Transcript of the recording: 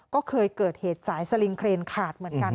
ก็เคยเกิดเหตุสายสลิงเครนขาดเหมือนกัน